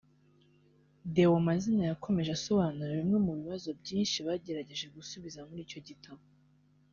Déo Mazina yakomeje asobanura bimwe mu bibazo byinshi bagerageje gusubiza muri icyo gitabo